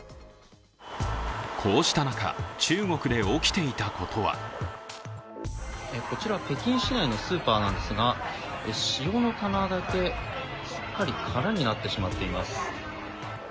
こうした中、中国で起きていたことはこちら、北京市内のスーパーなんですが、塩の棚だけすっかり空になってしまっています。